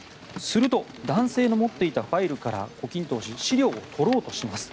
すると男性の持っていたファイルから胡錦涛氏資料を取ろうとします。